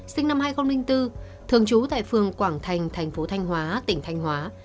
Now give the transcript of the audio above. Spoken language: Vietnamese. sinh năm hai nghìn bốn thường trú tại phường quảng thành thành phố thanh hóa tỉnh thanh hóa